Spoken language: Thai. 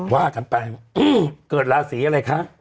ว่ากันไปเกิดราศีอะไรคะ